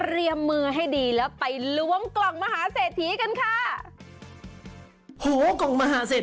แล้วไปล้วงกล่องมหาเศรษฐีกันค่ะ